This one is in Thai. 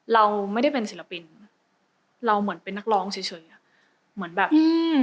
เราไม่ได้เป็นศิลปินเราเหมือนเป็นนักร้องเฉย